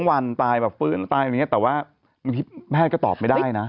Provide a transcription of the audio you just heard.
๒วันตายแบบฟื้นตายแบบนี้แต่ว่าแม่ก็ตอบไม่ได้นะ